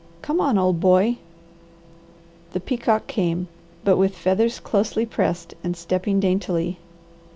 Come on, old boy!" The peacock came, but with feathers closely pressed and stepping daintily.